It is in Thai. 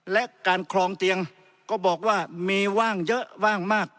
และการคลองเตียงก็บอกว่ามีว่างเยอะว่างมาก